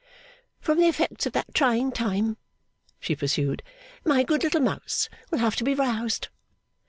'From the effects of that trying time,' she pursued, 'my good little Mouse will have to be roused.